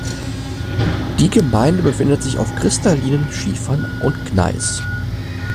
Die Gemeinde befindet sich auf kristallinen Schiefern und Gneis.